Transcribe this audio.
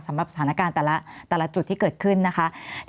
สำหรับสถานการณ์แต่ละจุดที่เกิดขึ้นนะคะ